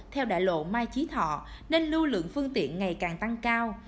theo đại lộ mai chí thọ nên lưu lượng phương tiện ngày càng tăng cao